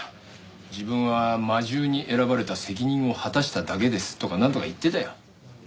「自分は魔銃に選ばれた責任を果たしただけです」とかなんとか言ってたよ。